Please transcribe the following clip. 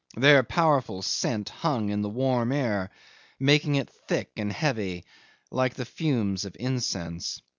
Their powerful scent hung in the warm air, making it thick and heavy like the fumes of incense.